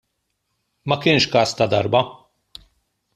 Ma kienx każ ta' darba.